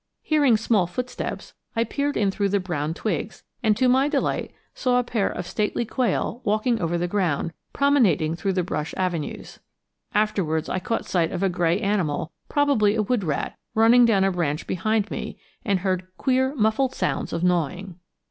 Hearing small footsteps, I peered in through the brown twigs, and to my delight saw a pair of stately quail walking over the ground, promenading through the brush avenues. Afterwards I caught sight of a gray animal, probably a wood rat, running down a branch behind me, and heard queer muffled sounds of gnawing.